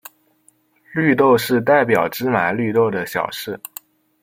绿豆是代表芝麻绿豆的小事。